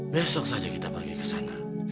besok saja kita pergi kesana